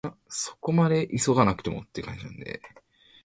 He was the second black man to win on the Sunshine Tour.